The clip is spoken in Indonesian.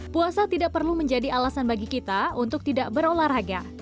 puasa tidak perlu menjadi alasan bagi kita untuk tidak berolahraga